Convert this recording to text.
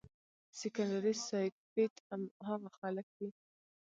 سيکنډري سائکوپېت هاغه خلک وي